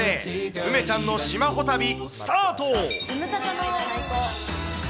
梅ちゃんの島ホ旅、スタート。